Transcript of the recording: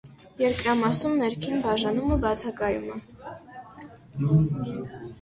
Երկրամասում ներքին բաժանումը բացակայում է։